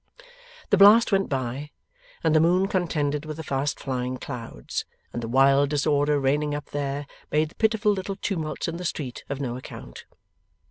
The blast went by, and the moon contended with the fast flying clouds, and the wild disorder reigning up there made the pitiful little tumults in the streets of no account.